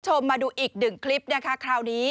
มาดูอีกหนึ่งคลิปนะคะคราวนี้